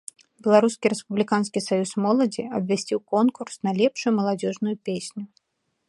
Беларускі рэспубліканскі саюз моладзі абвясціў конкурс на лепшую маладзёжную песню.